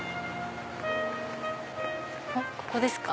ここですか？